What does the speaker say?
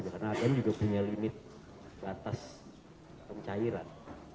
karena atm juga punya limit atas pencairan